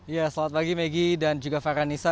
ya selamat pagi megi dan juga farhan nisa